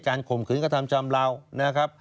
การข่มขืนกระทำจำเหล่า